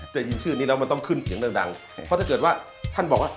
ได้ยินชื่อนี้แล้วมันต้องขึ้นเสียงดังดังเพราะถ้าเกิดว่าท่านบอกว่า